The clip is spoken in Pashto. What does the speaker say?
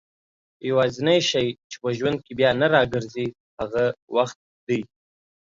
يوازينی شی چي په ژوند کي بيا نه راګرځي هغه وخت دئ